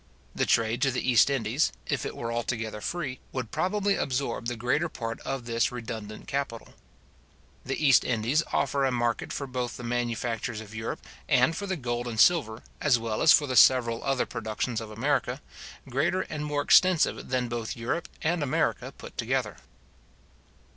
The trade to the East Indies, if it were altogether free, would probably absorb the greater part of this redundant capital. The East Indies offer a market both for the manufactures of Europe, and for the gold and silver, as well as for the several other productions of America, greater and more extensive than both Europe and America put together.